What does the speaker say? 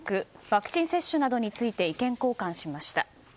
ワクチン接種などについて意見交換しました。